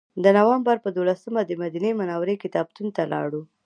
د نوامبر په دولسمه دمدینې منورې کتابتون ته لاړو.